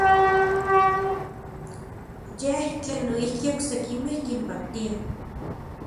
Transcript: Yej tlen noijki oksekimej kinpaktia.